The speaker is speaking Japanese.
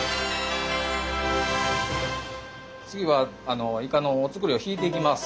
次はイカのお造りを引いていきます。